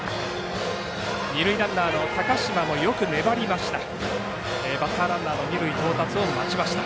二塁ランナーの高嶋もよく粘りました。